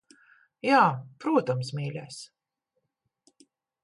Jā, protams, mīļais.